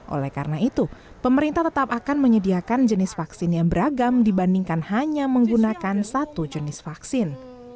oleh karena itu pemerintah tetap akan menyediakan jenis vaksin yang beragam dibandingkan hanya menggunakan satu jenis vaksin